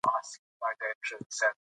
آیا ته پوهېږې چې د وطن مینه څه ته وايي؟